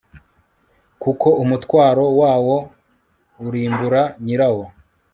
kuko umutwaro wawo urimbura nyirawo